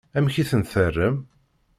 Amek i ten-terram?